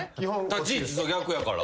立ち位置と逆やから。